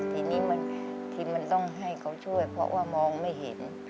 ทีนี้ที่มันต้องให้เขาช่วยเพราะว่ามองไม่เห็น